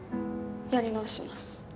やり直します。